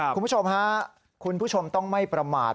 คุณผู้ชมฮะคุณผู้ชมต้องไม่ประมาท